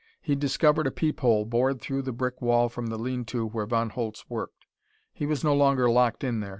He'd discovered a peep hole bored through the brick wall from the lean to where Von Holtz worked. He was no longer locked in there.